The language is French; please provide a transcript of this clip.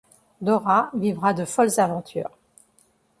Dora vivra de folles aventures.